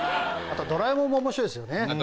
『ドラえもん』も面白いですよね。